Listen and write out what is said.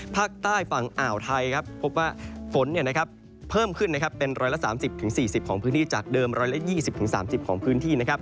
ภาคใต้ฝั่งอ่าวไทยครับพบว่าฝนเนี่ยนะครับเพิ่มขึ้นนะครับเป็นร้อยละ๓๐๔๐ของพื้นที่จากเดิมร้อยละ๒๐๓๐ของพื้นที่นะครับ